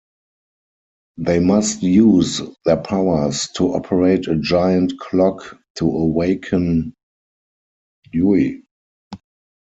They must use their powers to operate a giant clock to awaken Ui.